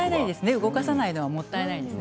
動かさないのもったいないですね。